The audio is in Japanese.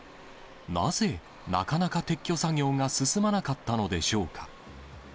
なぜ、なかなか撤去作業が進まなかったのでしょうか。